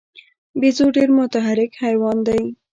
بیزو ډېر متحرک حیوان دی.